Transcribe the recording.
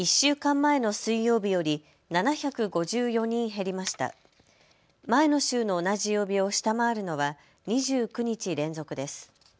前の週の同じ曜日を下回るのは２９日連続です。